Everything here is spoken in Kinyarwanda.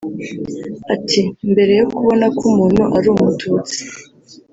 Ati “Mbere yo kubona ko umuntu ari umututsi